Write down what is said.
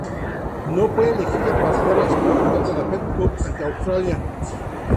No fue elegida para jugar la semifinal de la Fed Cup ante Australia.